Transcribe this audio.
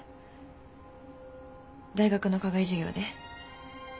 大学の課外授業で。